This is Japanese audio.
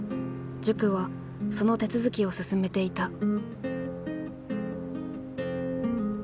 塾はその手続きを進めていた。